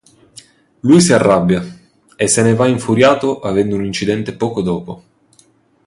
Lui si arrabbia e se ne va infuriato avendo un incidente poco dopo.